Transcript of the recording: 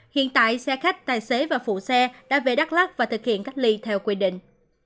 hiện tại xe khách tài xế và phụ xe đã về đắk lắc và thực hiện cách ly theo quy định